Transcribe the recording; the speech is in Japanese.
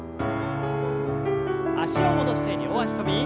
脚を戻して両脚跳び。